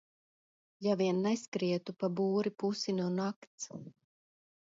Ja vien neskrietu pa būri pusi no nakts...